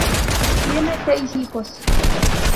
Tienen seis hijos.